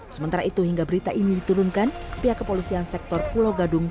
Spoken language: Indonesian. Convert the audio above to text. sementara itu hingga berita ini diturunkan pihak kepolisian sektor pulau gadung